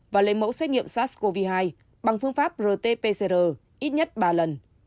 và lấy mẫu xét nghiệm sars cov hai bằng phương pháp rt pcr ít nhất ba lần